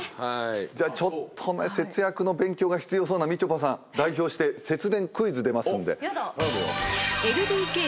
じゃあちょっとね節約の勉強が必要そうなみちょぱさん代表して節電クイズ出ますんで。